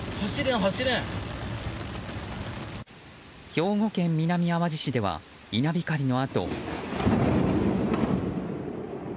兵庫県南あわじ市では稲光のあと。